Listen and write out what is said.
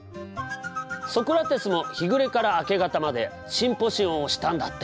ソクラテスも日暮れから明け方までシンポシオンをしたんだって。